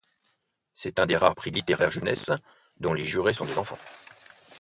C'est un des rares prix littéraires jeunesse dont les jurés sont des enfants.